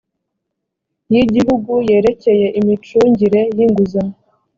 y igihugu yerekeye imicungire y inguzanyo